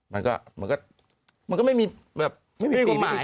มันก็ไม่มีความหมาย